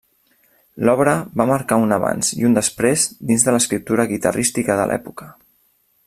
L’obra va marcar un abans i un després dins de l’escriptura guitarrística de l’època.